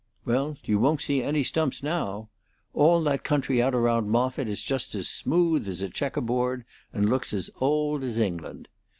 "Well, you won't see any stumps now. All that country out around Moffitt is just as smooth as a checker board, and looks as old as England.